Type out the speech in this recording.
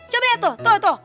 coba liat tuh tuh tuh